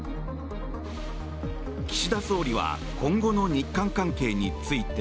岸田総理は今後の日韓関係について。